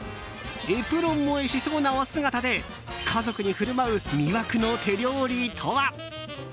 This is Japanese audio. エプロン萌えしそうなお姿で家族に振る舞う魅惑の手料理とは？